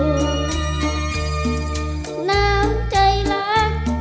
น้ำใจรัก